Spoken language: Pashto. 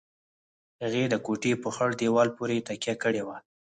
هغې د کوټې په خړ دېوال پورې تکيه کړې وه.